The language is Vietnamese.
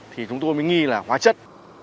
thì chúng tôi mới nghi là hóa chất